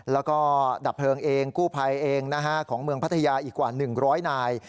แล้วก็ดับเพลิงเองกู้ภัยเองของเมืองพัทยาอีกกว่า๑๐๐นาย